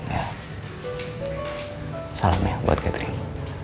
ya salam ya buat catering